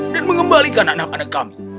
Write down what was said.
dan mengembalikan anak anak kami